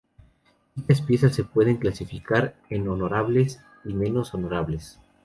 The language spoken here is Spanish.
Dichas piezas se pueden clasificar en "honorables" y "menos honorables".